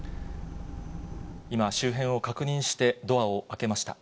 今、周辺を確認してドアを開けました。